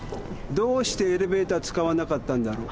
どうしてエレベーター使わなかったんだろう。